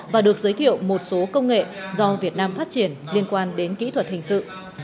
và được giới thiệu một số công nghệ do việt nam phát triển liên quan đến kỹ thuật hình sự